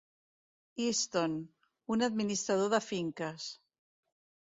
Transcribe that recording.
Easton, un administrador de finques.